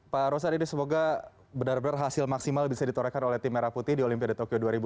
pak rosan ini semoga benar benar hasil maksimal bisa ditorehkan oleh tim merah putih di olimpiade tokyo dua ribu dua puluh